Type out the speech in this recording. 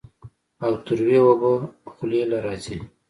او تروې اوبۀ خلې له راځي